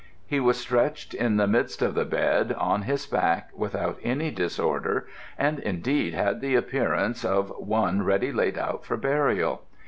He was stretched in the midst of the bed, on his back, without any disorder, and indeed had the appearance of one ready laid out for burial.